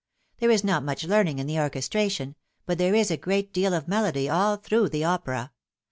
There is not much learning in the orchestration ; but there is a great deal of melody all through the opera.